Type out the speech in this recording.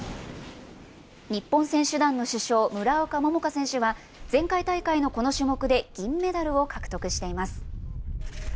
日本選手団の主将、村岡桃佳選手は、前回大会のこの種目で銀メダルを獲得しています。